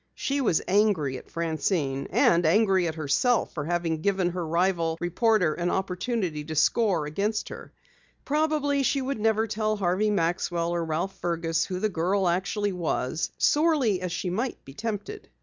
She was angry at Francine and angry at herself for having given the rival reporter an opportunity to score against her. Probably she would never tell Harvey Maxwell or Ralph Fergus who the girl actually was, sorely as she might be tempted.